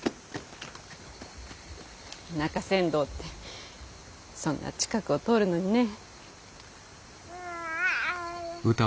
中山道ってそんな近くを通るのにねぇ。